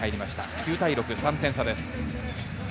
９対６、３点差です。